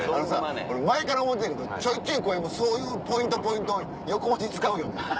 俺前から思うてんけどちょいちょい小籔そういうポイントポイント横文字使うよね。